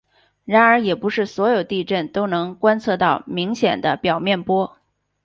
然而也不是所有地震都能观测到明显的表面波。